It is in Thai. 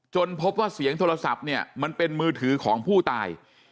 พบว่าเสียงโทรศัพท์เนี่ยมันเป็นมือถือของผู้ตาย